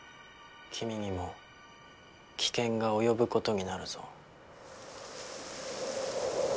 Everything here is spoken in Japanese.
君にも危険が及ぶことになるぞ。